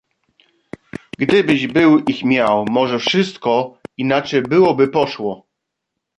"Gdybyś był ich miał, może wszystko inaczej byłoby poszło."